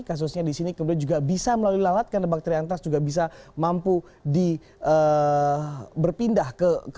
kasusnya disini kemudian juga bisa melalui lalat karena bakteri antraks juga bisa mampu berpindah